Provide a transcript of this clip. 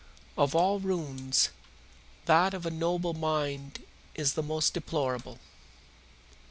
Of all ruins, that of a noble mind is the most deplorable.